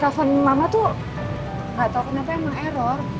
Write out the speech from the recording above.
telepon mama tuh gak tau kenapa emang error